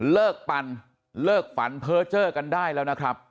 ปั่นเลิกฝันเพ้อเจอร์กันได้แล้วนะครับ